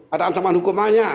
ada ancaman hukumannya